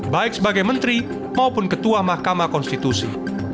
baik sebagai menteri maupun ketua mahkamah konstitusi